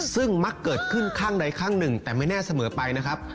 ซึ่งมักเกิดขึ้นข้างใดข้างหนึ่งแต่ไม่แน่เสมอไปนะครับ